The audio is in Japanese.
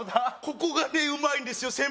ここがねうまいんですよ